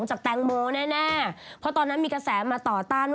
อีกหนึ่งคนอู้หูพ่อไหม้ไพร่มน